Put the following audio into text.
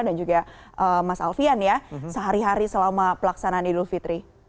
dan juga mas alfian ya sehari hari selama pelaksanaan idul fitri